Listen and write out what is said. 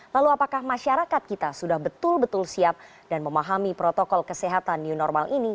lalu apakah masyarakat kita sudah betul betul siap dan memahami protokol kesehatan new normal ini